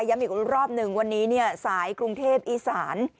ย้ำอีกรอบหนึ่งวันนี้สายกรุงเทพฯอีสาน